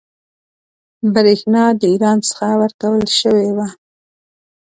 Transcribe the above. برېښنا د ایران څخه ورکول شوې وه.